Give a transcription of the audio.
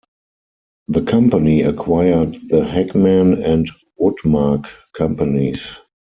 The company acquired the Hekman and Woodmark companies.